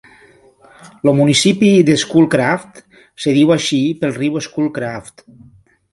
El municipi de Schoolcraft es diu així pel riu Schoolcraft.